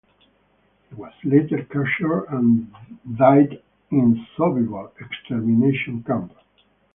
He was later captured and died in Sobibor extermination camp.